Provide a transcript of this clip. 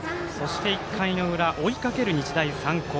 そして１回の裏追いかける日大三高。